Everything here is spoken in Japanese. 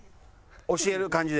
教える感じで。